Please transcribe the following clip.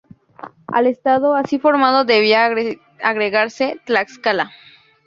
Al estado así formado debía agregarse Tlaxcala.